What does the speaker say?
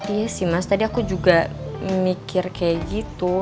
iya sih mas tadi aku juga mikir kayak gitu